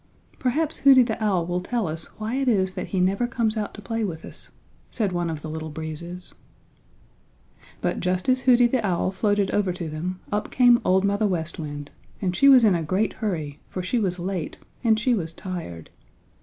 "Perhaps Hooty the Owl will tell us why it is that he never comes out to play with us," said one of the Little Breezes. But just as Hooty the Owl floated over to them up came Old Mother West Wind, and she was in a great hurry, for she was late, and she was tired.